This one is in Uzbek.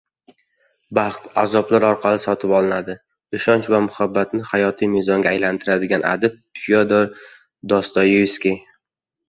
“Baxt azoblar orqali sotib olinadi”. Ishonch va muhabbatni hayotiy mezonga aylantirgan adib Fyodor Dostoyevskiy